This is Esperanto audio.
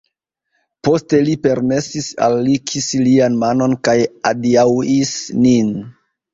Poste li permesis al ni kisi lian manon kaj adiaŭis nin.